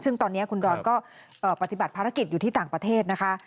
ซึ่งตอนนี้คุณดอนก็ปฏิบัติภารกิจอยู่ที่ต่างประเทศนะคะ